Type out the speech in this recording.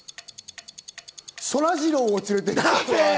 そらジローを連れて行く。